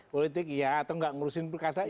politik ya atau nggak ngurusin perkataan